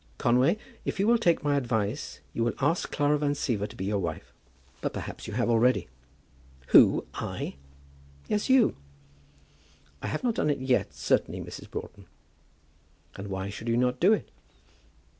Conway, if you will take my advice you will ask Clara Van Siever to be your wife. But perhaps you have already." "Who; I?" "Yes; you." "I have not done it yet, certainly, Mrs. Broughton." "And why should you not do it?"